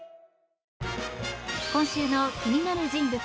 今週の気になる人物